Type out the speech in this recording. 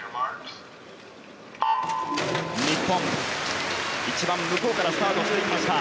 日本、一番向こうからスタートしていきました。